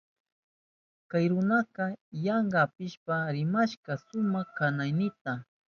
Kay runaka yanka apishpa rimashka shuwa kanaynita.